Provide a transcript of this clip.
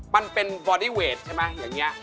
มันเป็นบอดี้เวทใช่ไหมอย่างนี้